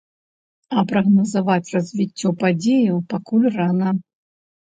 А прагназаваць развіццё падзеяў пакуль рана.